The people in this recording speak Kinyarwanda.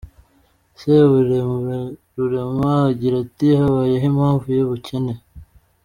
Siborurema agira ati “Habayeho impamvu y’ubukene.